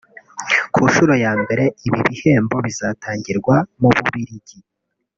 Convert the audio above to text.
Ku nshuro ya mbere ibi bihembo bizatangirwa mu Bubiligi